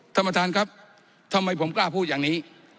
ท่านประธานครับทำไมผมกล้าพูดอย่างนี้